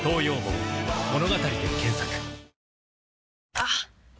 あっ！